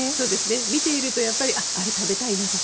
見ているとあれ食べたいなとか。